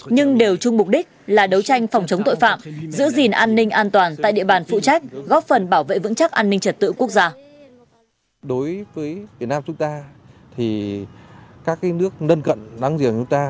nhưng đều chung mục đích là đấu tranh phòng chống tội phạm giữ gìn an ninh an toàn tại địa bàn phụ trách góp phần bảo vệ vững chắc an ninh trật tự quốc gia